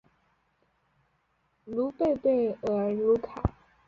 卢贝贝尔纳克。